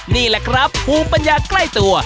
นี่แหละครับภูมิปัญญาใกล้ตัว